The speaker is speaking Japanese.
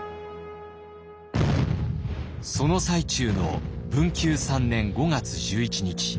その最中の文久３年５月１１日。